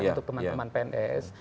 untuk teman teman pns